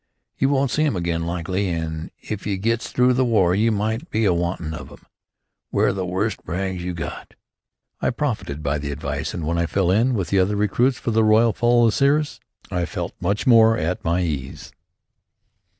You won't see 'em again likely, an' if you gets through the war you might be a wantin' of 'em. Wear the worst rags you got." I profited by the advice, and when I fell in, with the other recruits for the Royal Fusiliers, I felt much more at my ease.